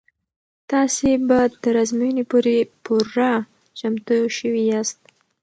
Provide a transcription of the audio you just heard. تاسې به تر ازموینې پورې پوره چمتو شوي یاست.